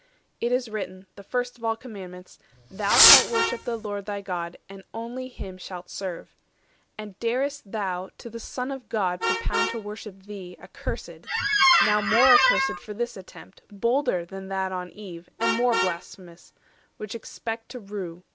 It is written, The first of all commandments, 'Thou shalt worship The Lord thy God, and only Him shalt serve.' And dar'st thou to the Son of God propound To worship thee, accursed? now more accursed For this attempt, bolder than that on Eve, 180 And more blasphemous; which expect to rue.